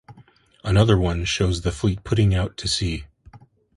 Another one shows the fleet putting out to sea.